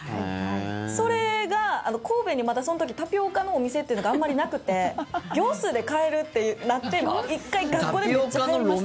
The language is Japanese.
それが神戸に、まだその時タピオカのお店というのがあまりなくて業スーで買えるってなって１回学校でめっちゃはやりました。